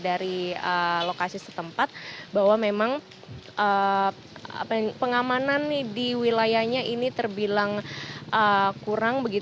dari lokasi setempat bahwa memang pengamanan di wilayahnya ini terbilang kurang